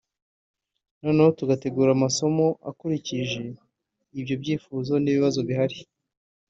noneho tugategura amasomo akurikije ibyo byifuzo n’ibibazo bihari”